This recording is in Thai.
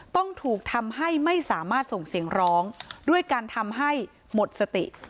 ต้องถูกทำให้ไม่สามารถส่งเสียงร้องด้วยการทำให้หมดสติ